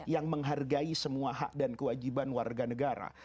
yang menghargai semua hak dan kewajiban warga negara